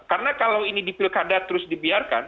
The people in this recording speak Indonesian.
karena kalau ini di pilkada terus dibiarkan